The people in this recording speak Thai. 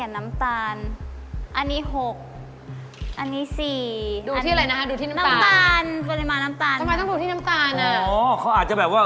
น้ำตาลอะไรอย่างนี้เปล่า